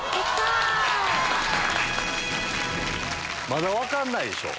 まだ分かんないでしょ。